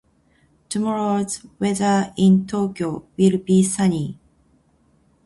Tomorrow's weather in Tokyo will be sunny.